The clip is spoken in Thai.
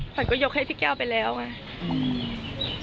ขวัญก็ยกให้พี่แก้วไปแล้วไง